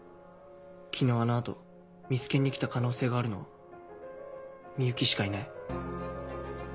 昨日あの後ミス研に来た可能性があるのは美雪しかいない。